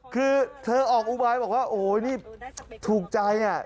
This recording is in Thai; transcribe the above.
คือเธอออกอุบายบอกว่าโอ้ยนี่ถูกใจ